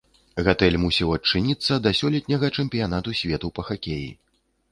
Гатэль мусіў адчыніцца да сёлетняга чэмпіянату свету па хакеі.